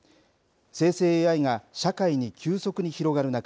生成ＡＩが社会に急速に広がる中